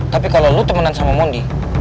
tapi kalo lu temenan sama moni